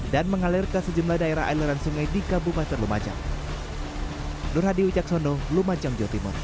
dan mengalir ke sejumlah daerah aliran sungai di kabupaten lumajang